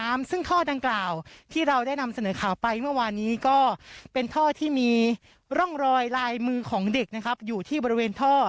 เมื่อวานี้ก็เป็นท่อที่มีร่องรอยลายมือของเด็กนะครับอยู่ที่บริเวณท่อ